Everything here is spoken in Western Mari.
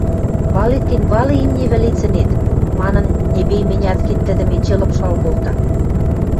– Валет гӹнь валы имни вӹлецӹнет! – манын, Небейменяткин тӹдӹм эче лыпшал колта.